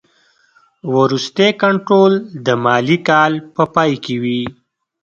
وروستی کنټرول د مالي کال په پای کې وي.